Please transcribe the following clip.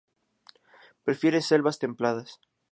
Prefiere selvas templadas.